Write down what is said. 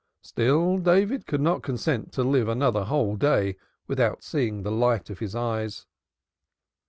Still David could not consent to live another whole day without seeing the light of his eyes.